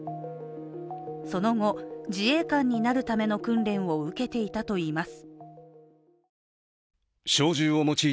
その後、自衛官になるための訓練を受けていたといいます。